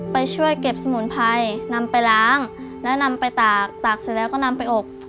ไปช่วยเก็บสมุนไพรนำไปล้างและนำไปตากตากเสร็จแล้วก็นำไปอบ